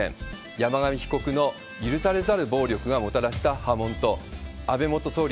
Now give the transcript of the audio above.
山上被告の許されざる暴力がもたらした波紋と、安倍元総理